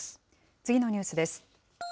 次のニュースです。